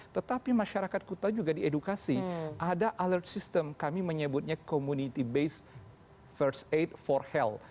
tetapi masyarakat kuta juga diedukasi ada alert system kami menyebutnya community based first aid for health